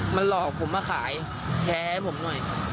มันหลอกผมมาขายแชร์ให้ผมหน่อย